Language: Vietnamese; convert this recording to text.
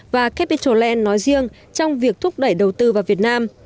và capital land nói riêng trong việc thúc đẩy đầu tư vào việt nam